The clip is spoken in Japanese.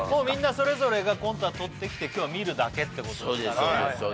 みんなそれぞれがコントは撮ってきて今日は見るだけってことですから